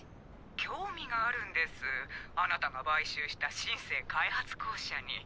興味があるんですあなたが買収した「シン・セー開発公社」に。